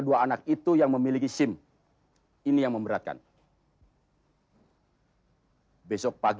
dan juga rocco disini kannies apa